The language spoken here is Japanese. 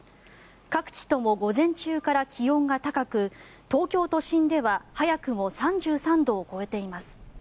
各地とも午前中から気温が高く東京都心では早くも３３度を超えています。